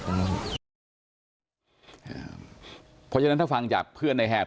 เพราะฉะนั้นถ้าฟังจากเพื่อนในแหบ